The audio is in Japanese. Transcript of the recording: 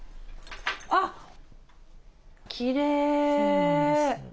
あっきれい！